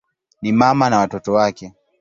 Ni mama na watoto wake.